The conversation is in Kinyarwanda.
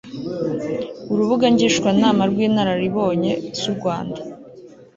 urubuga ngishwanama rw'inararibonye z'u rwanda